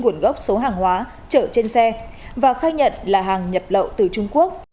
nguồn gốc số hàng hóa chở trên xe và khai nhận là hàng nhập lậu từ trung quốc